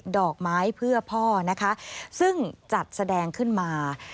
ดอกไม้เพื่อพ่อนะคะซึ่งจัดแสดงขึ้นมา